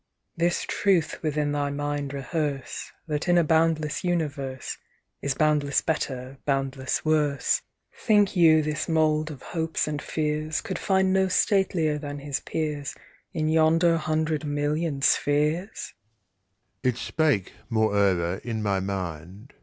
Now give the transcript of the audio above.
"This truth within thy mind rehearse, That in a boundless universe Is boundless better, boundless worse. "Think you this mould of hopes and fears Could find no statelier than his peers In yonder hundred million spheres?"